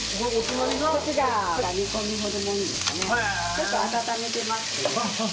ちょっと温めてます。